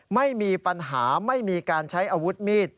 ไม่มีปัญหาไม่มีการใช้อาวุธมีด